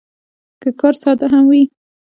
که کار ساده هم وي، خو هڅې یې ارزښتناکوي.